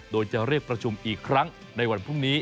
โดยจะเรียกประชุมอีกครั้งในวันพรุ่งนี้